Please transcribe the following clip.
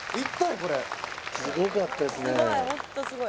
これスゴかったですね